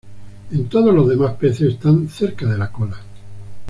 En todos los demás peces, están cerca de la cola.